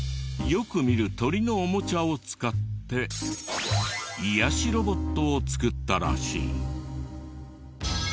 よく見る鳥のオモチャを使って癒やしロボットを作ったらしい。